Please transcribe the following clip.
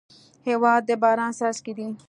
هېواد د باران څاڅکی دی.